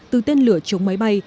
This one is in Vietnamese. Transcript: từ tên lửa chống máy bay